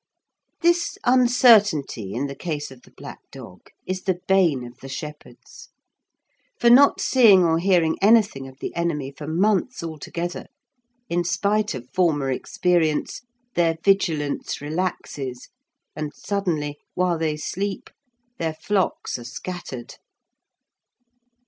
This uncertainty in the case of the black dog is the bane of the shepherds; for, not seeing or hearing anything of the enemy for months altogether, in spite of former experience their vigilance relaxes, and suddenly, while they sleep, their flocks are scattered.